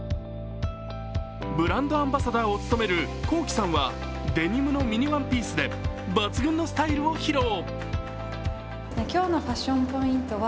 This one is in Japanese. ブランドアンバサダーを務めるＫｏｋｉ，さんはデニムのミニワンピースで抜群のスタイルを披露。